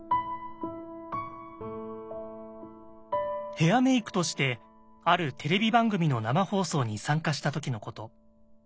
ヘアメイクとしてあるテレビ番組の生放送に参加した時のこと。